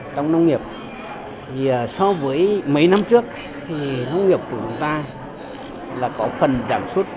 trong nông nghiệp so với mấy năm trước nông nghiệp của chúng ta có phần giảm suất